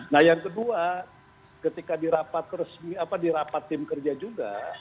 nah yang kedua ketika di rapat tim kerja juga